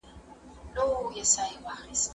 ليکنه د زده کوونکي له خوا کيږي؟!